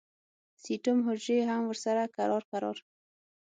سټیم حجرې هم ورسره کرار کرار